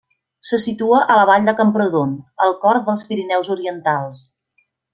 Se situa a la Vall de Camprodon, al cor dels Pirineus orientals.